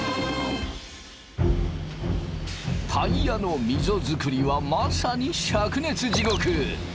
タイヤのミゾ作りはまさに灼熱地獄。